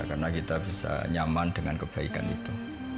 karena kita bisa nyaman dengan kebaikan itu